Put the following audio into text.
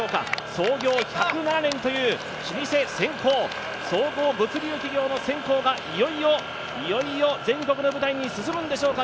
創業１０７年という老舗センコー、総合物流企業のセンコーがいよいよ全国の舞台に進むんでしょうか。